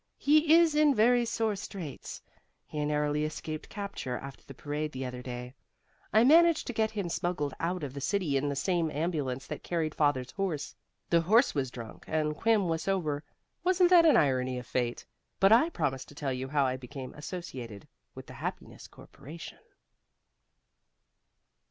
He is in very sore straits. He narrowly escaped capture after the parade the other day. I managed to get him smuggled out of the city in the same ambulance that carried Father's horse. The horse was drunk and Quim was sober. Wasn't that an irony of fate? But I promised to tell you how I became associated with the Happiness Corporation."